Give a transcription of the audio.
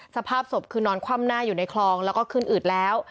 สภาพศพคือนอนคว่ำหน้าอยู่ในคลองแล้วก็ขึ้นอืดแล้ว